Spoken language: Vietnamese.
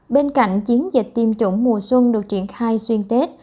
bên cạnh chiến dịch tiêm chủng mùa xuân được triển khai xuyên tết